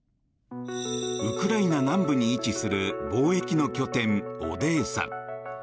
ウクライナ南部に位置する貿易の拠点オデーサ。